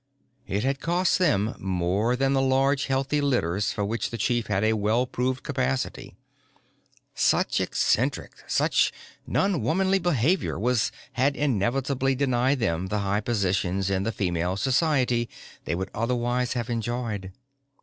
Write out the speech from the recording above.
It had cost them more than the large, healthy litters for which the chief had a well proven capacity: such eccentric, almost non womanly behavior had inevitably denied them the high positions in the Female Society they would otherwise have enjoyed.